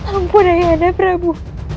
ampun ayah nebrabu